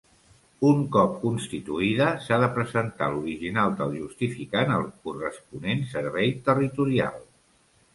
Un cop constituïda, s'ha de presentar l'original del justificant al corresponent Servei Territorial.